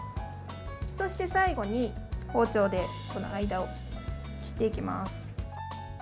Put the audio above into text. そして最後に包丁で間を切っていきます。